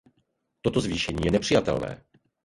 Toto zvýšení je nepřijatelné.